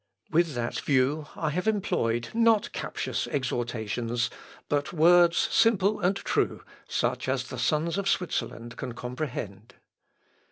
With that view I have employed not captious exhortations, but words simple and true, such as the sons of Switzerland can comprehend."